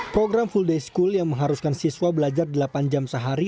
program full day school yang mengharuskan siswa belajar delapan jam sehari